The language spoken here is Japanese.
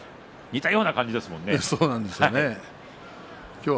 富士似たような感じですものね。